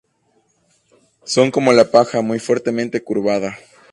Son como la paja muy fuertemente curvada.